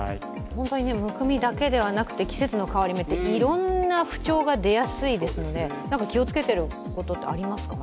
本当にむくみだけではなくて、季節の変わり目っていろんな不調が出やすいですが、気をつけていること、ありますか。